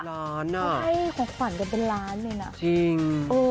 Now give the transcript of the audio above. ล้านอ่ะห้องขวัญเดียวเป็นล้านนี่นะจริง